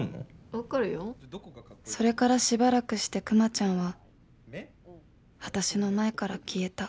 「それからしばらくして、くまちゃんは私の前から消えた」。